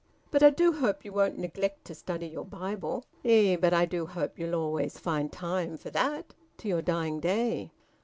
But I do hope you won't neglect to study your Bible. Eh, but I do hope you'll always find time for that, to your dying day!"